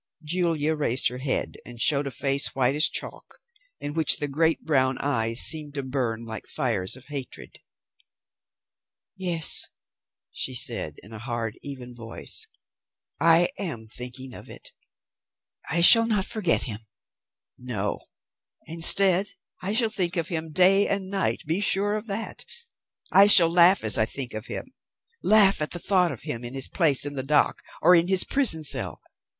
Julia raised her head and showed a face, white as chalk, in which the great brown eyes seemed to burn like fires of hatred. "Yes," she said in a hard, even voice. "I am thinking of it. I shall not forget him. No. Instead, I shall think of him day and night, be sure of that. I shall laugh as I think of him; laugh at the thought of him in his place in the dock, or in his prison cell.